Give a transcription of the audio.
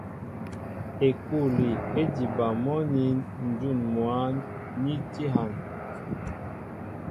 Ekûli é diba mɔ́ nín ǹjún mwǎ ni tí hân.